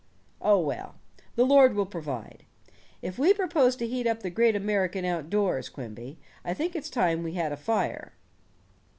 Oh, well, the Lord will provide. If we propose to heat up the great American outdoors, Quimby, I think it's time we had a fire."